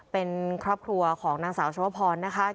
เป็นครอบครัวของนางสาวชวพรนะคะ